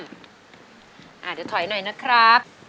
เดี๋ยวถอยหน่อยนะครับ